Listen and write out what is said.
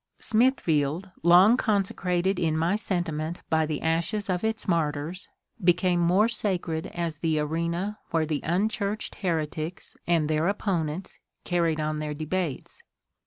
Smithfield, long consecrated in my sentiment by the ashes of its martyrs, became more sacred as the arena where the unchurched heretics and their opponents carried on their debates.